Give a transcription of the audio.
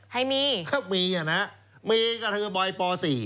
ให้มีก็มีนะครับมีก็คือใบป๔